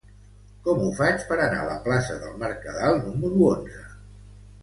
Com ho faig per anar a la plaça del Mercadal número onze?